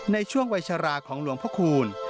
ในช่วงวัยชราของหลวงพระคูณ